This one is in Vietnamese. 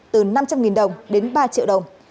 từ năm trăm linh đồng đến ba triệu đồng